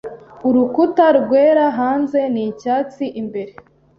Urukuta rwera hanze n'icyatsi imbere.